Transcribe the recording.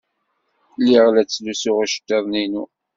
Lliɣ la ttlusuɣ iceḍḍiḍen-inu.